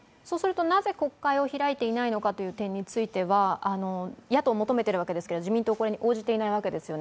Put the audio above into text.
なぜ、国会を開いていないのかという点について野党は求めているわけですが、自民党は応じていないわけですよね。